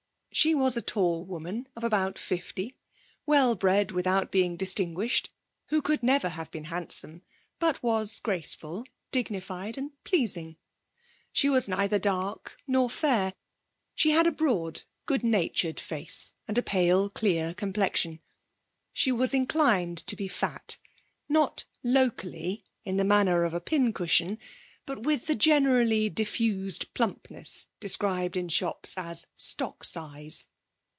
She was a tall woman of about fifty, well bred without being distinguished, who could never have been handsome but was graceful, dignified, and pleasing. She was neither dark nor fair. She had a broad, good natured face, and a pale, clear complexion. She was inclined to be fat; not locally, in the manner of a pincushion, but with the generally diffused plumpness described in shops as stock size.